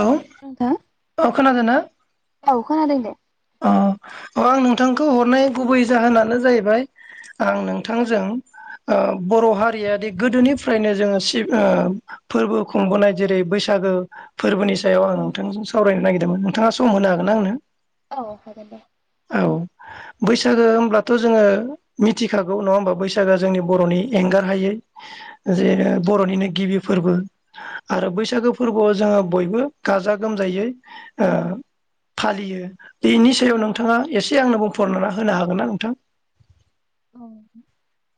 औ नोंथां औ खोनादोंना? औ खोनादों दे अ। अ आं नोंथांखौ हरनाय गुबै जाहोनानो जाहैबाय आं नोंथांजों ओ बर' हारियाादि गोदोनिफ्रायनो जोङो सिब ओ फोरबो खुंबोनाय जेरै बैसागु सागो फोरबोनि सायाव आं नोंथांजों सावरायनो नागिरदोंमोन, नोंथाङा सम होनो हागोन आंनो? औ हागोन दे। औ। बैसागो होमब्लाथ' जोङो मिथिखागौ नङा होमबा बैसागोआ जोंनि बर'नि एंगार हायै औ जेनो बर'निनो गिबि फोरबो आरो बैसागो फोरबोआव जोङो बयबो गाजा गोमजायै ओ फालियो बेनि सायाव नोंथाङा एसे आंनोबो फोरमायना होनो हागोन ना नोंथां? औ।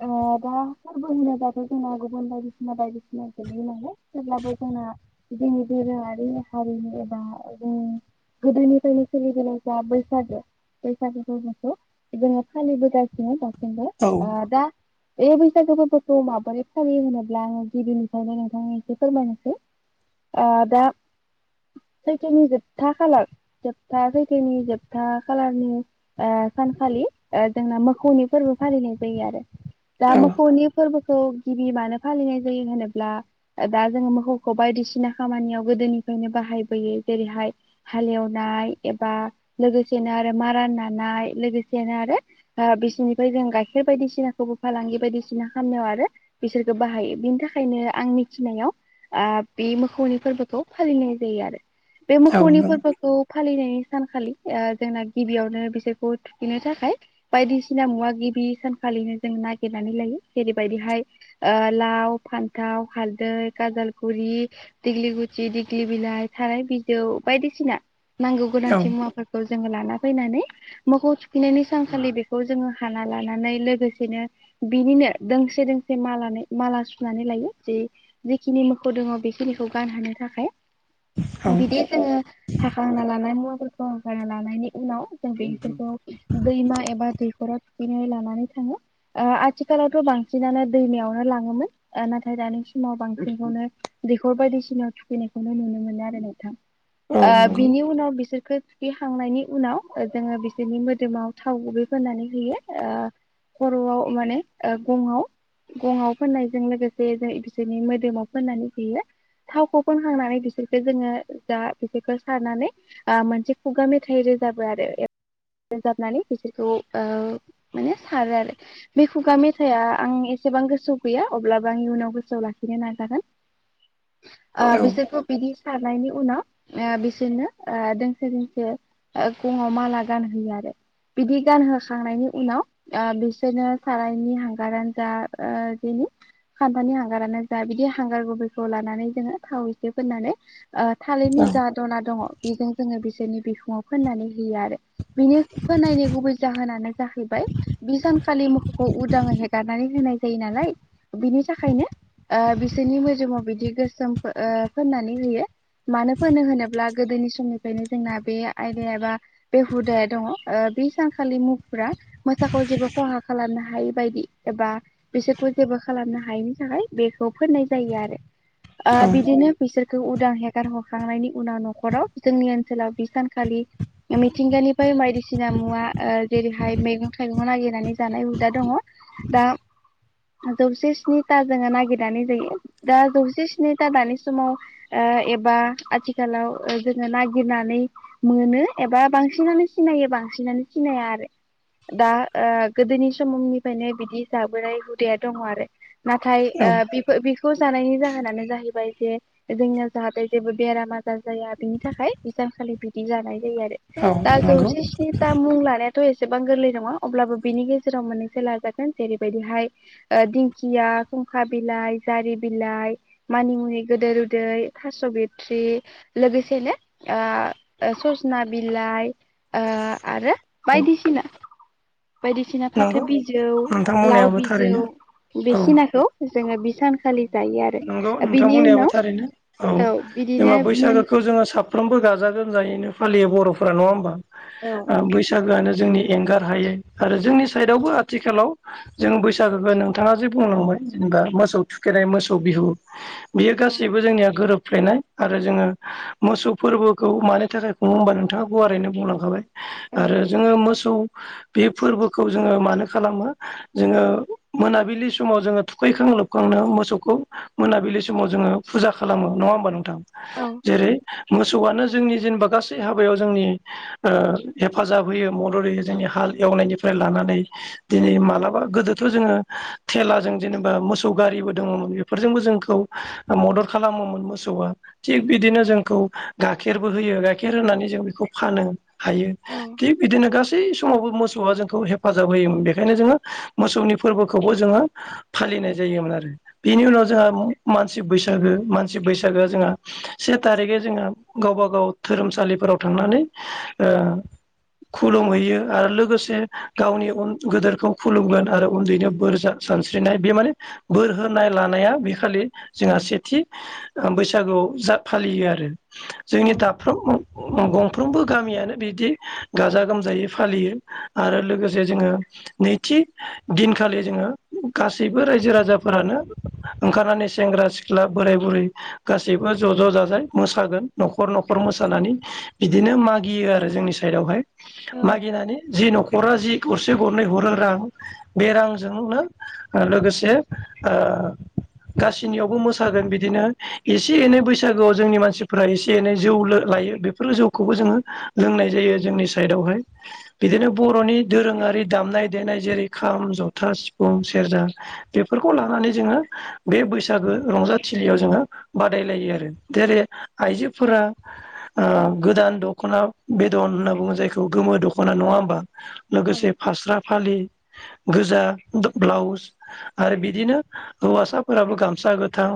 अ दा फोरबो होनोबाथ' जोंना गुबुन बायदिसिना बायदिसिना गोलैयो नालाय थेवब्लाबो जोंना ओ जोंनि दोरोङारि हारिमु एबा जों गोदोनिफ्रायनो सोलिबोनाय जा बैसागो बैसागुखौ जोङो फालिबोगासिनो दासिमबो औ ओ दा बे बैसागु फोरफोरखौ माबोरै फालिायो होनोब्ला आङो गिबिनिफ्रायनो नोंथांनो आं एसे फोरमायनोसै। ओ दा सैखोनि जोबथा खाालार जोबथा सैथोनि जोबथा खाालारनि ओ सानखालि ओ जोंना मोसौनि फोरबो फालिनाय जायो आरो। दा औ मोसौनि फोरबोखौ गिबि मानो फालिनाय जायो होनोब्ला दा जोङो मोसौखौ बायदिसिना खामानियाव गोदोनिफ्रायनो बाहाय हाय बोयो जेरैहाय हाल एउनाय एबा लोगोसेनो आरो मारान नानाय [unintelligible] आरो बिसिनि जों गाइखेर बायदिसिनाखौबो फालांगि बायदिसिना खालामनायाव आरो बिसोरखौ बाहायो बिनि थाखायनो आंनि मिथिनायाव ओ बे मोसौनि फोरबोखौ फालिनाय जायो आरो बे औ मोखौनि नों फोरबोखौ फालिनाय सानखालि ओ जोंना गिबियावनो बिसोरखौ थुखिनो थाखाय बायदिसिना मुवा गिबि सानखालिनो जों नागिरनानै लायो जेरैबायदिहाय लाव फान्थाव हाल दै काजालगुरि दिग्लि गुथि दिग्लि बिलाइ थाराय बिजौ बायदिसिना नांगौ औ गोनांथि मुवाफोरखौ जोङो लाना फैनानै मोसौ थुखैनायनि सानखालि बेखौ जोङो हाना लानानै लोगोसेनो बिनिनो दोंसे दोंसे मालानै माला सुनानै लायो जे जिखिनि मोसौ दङ बेखिनिखौ गानहोनो थाखाय [inaudible] बिदि जोङो हाखा होना लानायनि उन फोरखौ हारना लानायनि उनाव जों बेसोरफोरखौ दैमा एबा दैखराव [unintelligible] लानानै थाङो आथिखालावथ' ओ बांसिनानो दैमायावनो लाङोमोन नाथाय दानि समाव बांसिनखौनो दैखर बायदिसिनाव थुखैनायखौनो नुनो मोनो आरो नोंथां औ ओ बिनि उनाव बिसोर थखो थुखिखांनायनि उनाव जोङो बिसोरनि मोदोमाव थाव गुबै फोननानै होयो ओ खर'आव माने गङाव गङआव फोननायजों लोगोसे जों बिसोरनि मोदोमाव फोननानै होयो थावखौ फोनखांनानै बिसोरखौ जोङो जा बिसोरखौ सारनानै ओ मोनसे खुगा मेथाइ रोजाबो आरो रोजाबनानै बिसोरखौ ओ माने सारो आरो बे खुगा मेथाइआ आं एसेबां गोसोआव गैया अब्लाबो आं इयुनाव गोसोआव लाखि नो नाजागोन [inaudible] ओ बिसोरखौ बिदि सारनायनि उनाव ओ बिसोरनो दोंसे दोंसे गङाव माला गानहोयो आरो बिदि गानहोखांनायनि उनाव ओ बिसोरनो सारायनि हांगारानो जा ओ बेनि खान्थालानि हांगारानो जा बिदि हांगार गुबैखौ लानानै जोङो थाव एसे फोननानै ओ नंगौ औ थालिरनि जा दना दङ बेजों जोङो बिसोरनि बिखुङाव फोननानै होयो आरो बिनि फोननायनि गुबै जाहोनानो जाहैबाय बि सानखालि मोसौखौ उदाङै हेगारनानै होनाय जायो नालाय बिनि थाखायनो ओ बिसोरनि मोजोमाव बिदि गोसोम ओ फोननानै होयो मानो फोनो होनोब्ला गोदोनि समनिफ्रायनो जोंना बे आयदाया बा बे हुदाया दङ बि सानखालि मु मोसाखौ जेबो खहा खालामनो हायै बायदि एबा बिसोरखौ जेबो खालामनो हायैनि थाखाय [unintelligible] बेखौ फोननाय जायो आरो ओ औ बिदिनो बिसोर उदां हेगार हरखांनायनि उनाव न'खराव जोंनि ओनसोलाव बे सानखालि मिथिंगानिफ्राय बायदिसिना मुवा ओ जेरैहाय मैगं थाइगं नागिरनानै जानाय हुदा दङ दा जौसे स्निथा जोङो नागिरनानै जायो दा जौसे स्निथा दानि समाव ओ एबा आथिखालाव जोङो नागिरनानै मोनो एबा बांसिनानो सिनायो बांसिनानो सिनाया आरो दा ओ गोदोनि समनिफ्रायनो बिदि जाबोनाय हुदाया दङ आरो नाथाय औ ओ बेखौ जानायनि जाहोनानो जाहैबाय जे जोंनिया जाहाथे जेबो बेराम आजार जाया बिनि थाखाय बिसानखालि बिदि जानाय जायो आरो दा नंगौ जौसे स्निथा मुं लानाय थ' एसेबां गोरलै नङा अब्लाबो बिनि गेजेराव मोननैसो लाजागोन जेरैबायदिहाय ओ दिंखिया खुंखा बिलाइ जारि बिलाइ मानिमुनि गोदिर उदै थास' बिथ्रि लोगोसेनो ओ सजना बिलाइ आरो औ बायदिसिना बायदिसिना फाथो नंगौ बिजौ नोंथां लाव बुंनायाबो बिजौ थारैनो औ बेखिनाखौ जोङो सानखालि जायो आरो नंगौ नोंथां बिनि बुंनायाबो उनाव थारैनो औ बिदिनो मोन साफ्रामबो गाजा गोमजायैनो फालियो बर'फोरा नङा होमबा औ बैसागोआनो जोंनि एंगार हायो आरो जोंनि साइडआवबो आथिखालाव जों बैसागोखौ नोंथाङा जे बुंलांबाय जेनेबा मोसौ थुखेरनाय मोसौ बिहु बेयो औ गासैबो जोंनिया गोरोब फ्लेनाय आरो जोङो मोसौ फोरबोखौ मानि थाखाय खुङो होमबा नोंथाङा गुवारैनो बुंलांखाबाय। औ आरो जोङो मोस सौ बे फोरबोखौ जोङो मानो खालामो जोङो मोनाबिलि समाव जोङो थुखैखांलो खांनो मोसौखौ मोनाबिलि समाव जोङो फुजा खालामो नङा होमबा नोंथां? जेरै मोसौआनो जोंनि जेनेबा गासै हाबायाव जोंनि ओ हेफाजाब होयो मदद होयो जोंनि हाल एवनायनिफ्राय लानानै दिनै मालाबा गोदोथ' जोंङो थेलाजों जेनेबा मो मोसौ गारिबो दङ'मोन बेफोरजोंबो जोंखौ मदद खालामोमोन मोसौआ थिग बिदिनो जोंखौ गाइखेरबो होयो गाइखेर होनानै जों बेखौ फानो हायो औ थिग बिदिनो गासै गासै समावबो मोसौआ जोंखौ हेफाजाब होयोमोन बेखायनो जोङो मोसौनि फोरबोखौबो जोङो फालिनाय जोयोमोन आरो बेनि उनाव जोंहा मानसि बैसागो मानसि बैसागोआ जोंहा से थारिगै जोङो गावबा गाव धोरोमसालिफोराव थांनानै ओ खुलुमहैयो आरो लोगोसे गावनि गेदोरखौ खुलुमगोन आरो उन्दैनो बोरजा सानस्रि ननाय बेयो माने बोर होनाय लानाया बे खालि जोंहा सेथि बैसागोआव जा फालियो आरो जोंनि औ दाफ्रोम गंफ्रोमबो गामियानो बिदि गाजा गोमजायै फालियो आरो लोगोसे जोङो नैथि दिनखालि जोङो गासैबो रायजो राजाफोरानो ओंखारनानै सेंग्रा सिख्ला बोराय बुरै गासैबो ज' ज' जाजाय मोसागोन न'खर न'खर मोसानानै बिदिनो मागियो आरो जोंनि साइदावहाय औ मागिनानै जि न' खरा जि गरसे गरनै हरो रां बे रांजोंनो लोगोसे ओ गाससिनियावबो मोसागोन बिदिनो एसे एनै बैसागोआव जोंनि मानसिफोरा एसे एनै जौ लोंखायो बेफोर जौखौबो जोंङो लोंनाय जायो जोंनि साइदआवहाय बिदिनो बर'नि दोरोङारि दामनाय देनाय जेरै खाम, जथा, सिफुं सेरजा बेफोरखौ लानानै जोङो बे बैसागो रंजाथिलियाव जोङो बादायलायो जेरै आइजोफोरा ओ गोदान द'खना बेदन होनना बुंङो जायखौ गोमो द'खना नङा होमबा औ लोगोसे फास्रा फालि गोजा ब्लाउस आरो बिदिनो हौवासाफोराबो गामसा गोथां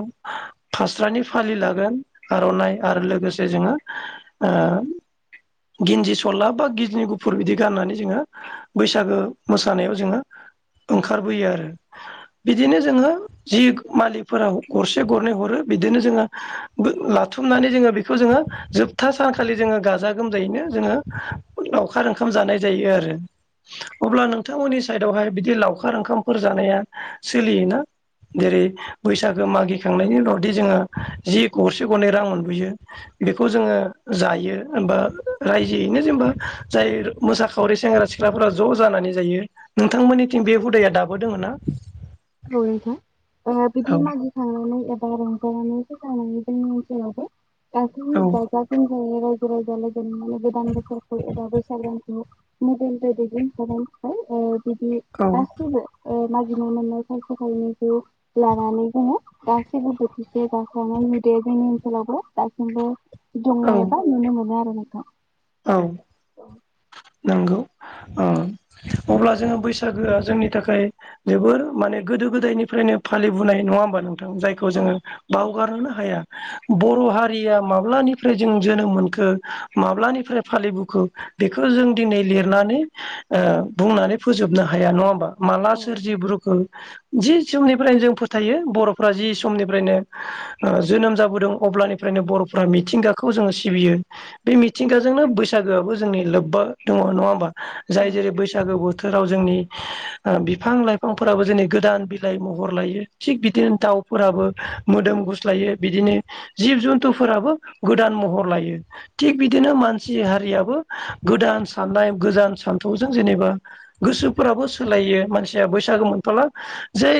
फास्रानि फालि लागोन आर'नाइ आरो लोगोसे जोङो ओ गिन्जि सला बा गिन्जि गुफुर बिदि गाननानै जोङो बैसागो मोसानायाव जोङो ओंखारबोयो आरो। बिदिनो जोंङो जि मालिकफोरा गरसे गरनै हरो बिदिनो जोंङो गो लाथुमनानै जोंङो बेखौ जोंङो जोबथा सानखालि जोंङो गाजा गोमजायैनो जोंङो लावखार ओं खाम जानाय जायो आरो अब्ला नोंथांमोननि साइदावहाय बिदि लाव खार ओंखामफोर जानाया सोलियोना जेरै बैसागो मागिखांनायनि उनावदि जोंङो जि गरसे गरनै रां मोनबोयो बेखौ जोंङो जायो होमबा रायजोयैनो जेनबा जाय मोसाखावरि सेंग्रा सिख्लाफोरा ज' जानानै जायो नोंथांमोननिथिं बे हुदाया दाबो दोंङो ना? औ नोथां बिदि औ मागि खांनानै ओ बा रंजानानै फैसा मो‌नो जोंनि ओनसोलावबो गासै औ गाजा गोमजायै राय जो राजा लोगो लोगो गोदान बोसोरखौ एबा बैसागो दानखौ मबाइल बायदिजों दामना ओ बिदि औ गासैबो ओ मागिनानै मोननाय थाइसे थाइनैखौ लानानै जोंङो गासैबो बोथिसे जास्रांनाय हुदाया जोंनि ओनसोलाव बो दासिमबो औ दंङ' एबा नुनो मोनो आरो नोंथां। औ नोंगौ ओ अब्ला जोङो बैसागोआ जोंनि थाखाय जोबोर माने गोदो गोदायनिफ्रायनो फालिबोनाय नंङा होमबा नों थां जायखौ औ जोंङो बावगारनोनो हाया बर' हारिया मा ब्लानिफ्राय जों जोनोम मोनखो माब्लानि फ्राय फालिबोखो बेखो जों दिनै लिरनानै ओ बुंनानै फोजोबनो हाया नंङा होमबा। माला औ सोरजिब्रोखो जि समनिफ्रायनो जों फोथायो बर'फ्रा जि समनिफ्रायनो ओ जोनोम जाबोदों अब्लानिफ्रायनो बर' फ्रा मिथिंगाखौ जोंङो सिबियो बे मिथिंगा जोंनो बैसागोआबो जोंनि लोब्बा दंङ नङा होमबा औ जाय जेरै बैसागु बो थोराव जोंनि बिफां लाइफांफोराबो जोंनि गोदान बिलाइ महर लायो थिग बिदिनो दाव फोराबो मोदोम गुस्लायो बिदिनो जिब जुन्थुफोराबो गोदान महर लायो। थिग बिदिनो मान सि हारियाबो गोदान साननाय गोजान सान्थौजों जेनेबा गोसोफोराबो सोलाय यो मानसि बैसागो मोनथला जि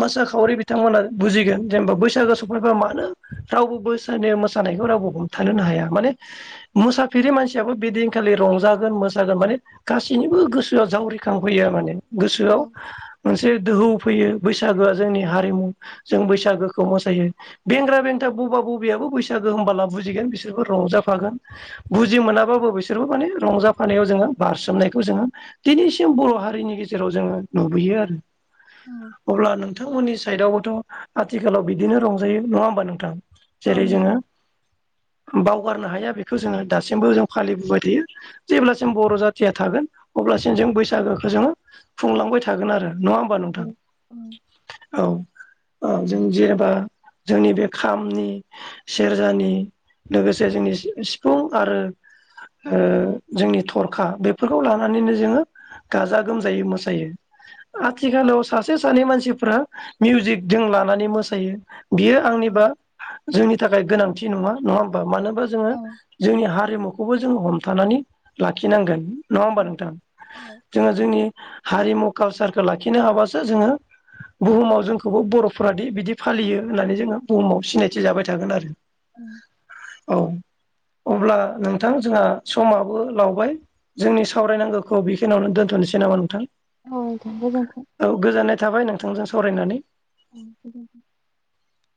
मोसाखावरि बिथांमोना बुजिगोन जेनेबा बैसागु सफैबा मानो गोसोया मानो रावबो बोसोरनि मोसानायखौ रावबो हमथानोनो हाया माने मोसा फेरै मानसियाबो बिदिनखालि रंजागोन मोसागोन माने गासैनिबो गोसोआ जावरिखांफैयो माने। गोसोआव मोनसे दोहौ फैयो बैसागोआ जोंनि हारिमु जों बैसागोखौ मोसायो बेंग्रा बेन्था बबा बबिआबो बैसागो होमबाला बुजिगोन बिसोरबो रंजाफागोन। बुजि मोनाबाबो बिसोरबो माने रंजाफानायाव जोंङो बारसोमनायखौ जोंङो दिनैसिम बर' हारिनि गे जेराव जोंङो नुबोयो आरो। अब्ला नोंथांमोननि साइदआवबोथ' आथिखालाव बिदिनो रंजायो नंङा होमबा नोंथां औ जेरै नोंथां जोंङो बावगारनो हाया बेखौ जोंङो दासिमबो जों फालिबोबाय थायो जेब्लासिम बर' जाथिया थागोन अब्लासिम जों बैसागोखो जोङो खुंलांबाय थागोन आरो नंङा होमबा नोंथां औ औ औ जों जेनेबा जोंनि बे खामनि सेरजानि लोगोसे जोंनि सिफुं आरो ओ जोंनि थरखा बेफोरखौ लानानैनो जोङो गाजा गोमजायै मोसायो। आथिखालाव सासे सानै मानसिफ्रा मिउजिकजों लानानै मोसायो। बियो आंनिबा जोंनि थाखाय गोनांथि नंङा नंङा होमबा मानो होनबा औ जोङो जोंनि हारिमुखौबो जोंङो हमथानानै लाखिनांगोन। नंङा होमबा नोंथां औ औ जोंङो जोंनि हारिमु कालसारखौ लाखिनो हाबासो जोङो बुहुमाव जोंखौबो बर'फोरादि बिदि फालियो होननानै जोङो बुहुमाव सिनायथि जाबाय थागोन आरो औ औ अब्ला नोंथां जोंहा समाबो लावबाय जोंनि सावरायनांगौखौ बेखि नियावनो दोन्थ'नोसै नामा नोंथां औ नोंथां गोजोनथों। औ गोजोननाय थाबाय नोंथांजों सावरायनानै। [inaudible]